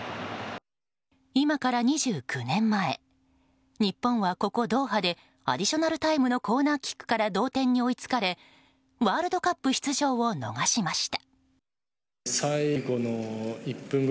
今から２９年前日本は、ここドーハでアディショナルタイムのコーナーキックから同点に追いつかれワールドカップ出場を逃しました。